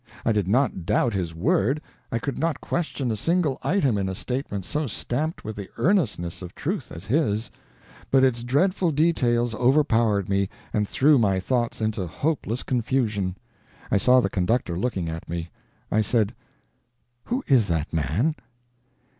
I did not doubt his word; I could not question a single item in a statement so stamped with the earnestness of truth as his; but its dreadful details overpowered me, and threw my thoughts into hopeless confusion. I saw the conductor looking at me. I said, "Who is that man?"